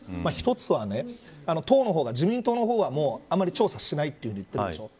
１つは党の方が自民党はあまり調査しないとしてるでしょう。